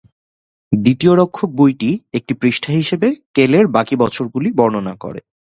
দ্বিতীয় রক্ষক বইটি একটি পৃষ্ঠা হিসাবে কেলের বাকি বছরগুলি বর্ণনা করে।